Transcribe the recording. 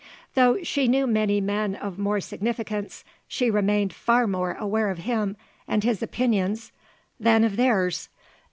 Though she knew many men of more significance, she remained far more aware of him and his opinions than of theirs.